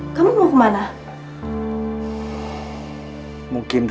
aku habis besarkan unraveling kita